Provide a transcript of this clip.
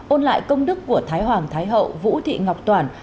ôn lại công đức của thái hoàng thái hậu vũ thị ngọc toản